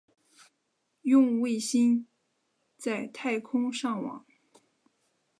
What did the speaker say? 用卫星在太空上网